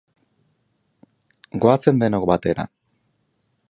Goazen denok batera